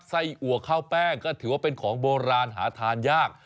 ไส้อัวข้าวแป้งก็ถือว่าเป็นของโบราณหาทานยาก